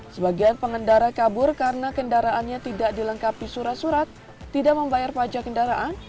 sebagian pengendara kabur karena kendaraannya tidak dilengkapi surat surat tidak membayar pajak kendaraan